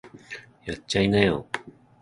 やっちゃいなよ